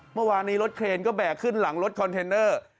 เมื่อวานนี้รถเครนก็แบกขึ้นหลังรถคอนเทนเนอร์